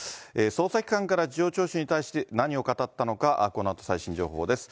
捜査機関から事情聴取に対して何を語ったのか、このあと、最新情報です。